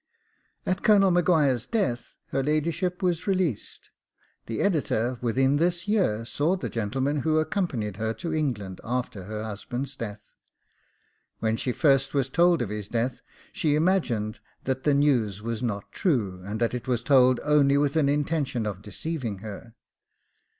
At Colonel M'Guire's death her ladyship was released. The editor, within this year, saw the gentleman who accompanied her to England after her husband's death. When she first was told of his death she imagined that the news was not true, and that it was told only with an intention of deceiving her.